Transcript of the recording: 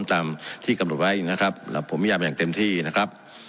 ตามที่กำหนดไว้นะครับแล้วผมพยายามอย่างเต็มที่นะครับ